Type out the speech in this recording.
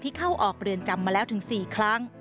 เข้าออกเรือนจำมาแล้วถึง๔ครั้ง